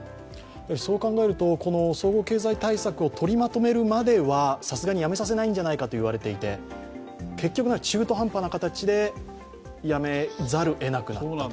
そう考えると、この総合経済対策を取りまとめるまではさすがに辞めさせないんじゃないかとも言われていて結局中途半端な形で辞めざるをえなくなった。